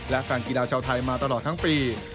และแฟนกีฬาชาวไทยมาตลอดทั้งปี